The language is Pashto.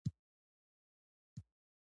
تجربه باید څلور کاله وي.